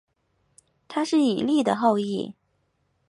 他是以利的后裔。